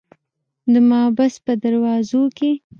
د محبس په دروازو کې.